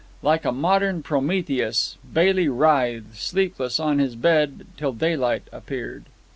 Like a modern Prometheus, Bailey writhed, sleepless, on his bed till daylight appeared.